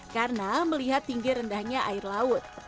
karena melihat tinggi rendahnya air laut